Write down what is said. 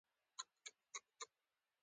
د هضم لپاره د زیرې او تورې مالګې ګډول وکاروئ